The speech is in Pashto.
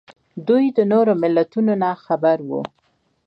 دوی د نورو ملتونو نه خبر وو